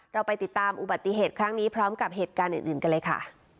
เราไปติดตามอุบัติเหตุครั้งนี้พร้อมกับเหตุการณ์อื่นกันเลยค่ะ